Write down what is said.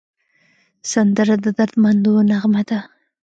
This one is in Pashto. سندره د دردمندو نغمه ده